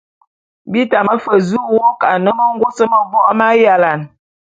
Bi tame fe zu wôk ane mengôs mevok m'ayalane.